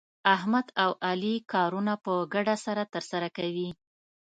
احمد او علي کارونه په ګډه سره ترسره کوي.